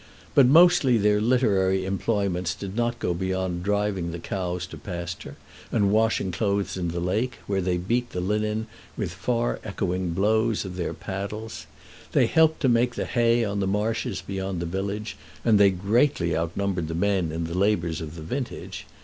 But mostly their literary employments did not go beyond driving the cows to pasture and washing clothes in the lake, where they beat the linen with far echoing blows of their paddles. They helped to make the hay on the marshes beyond the village, and they greatly outnumbered the men in the labors of the vintage.